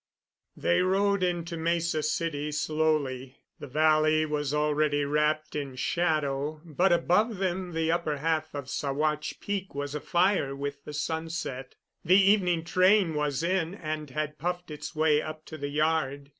They rode into Mesa City slowly. The valley was already wrapped in shadow, but above them the upper half of Saguache Peak was afire with the sunset. The evening train was in and had puffed its way up to the yard.